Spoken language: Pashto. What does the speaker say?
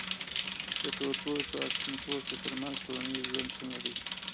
د تورپوستو او سپین پوستو ترمنځ ټولنیز ژوند څنګه دی؟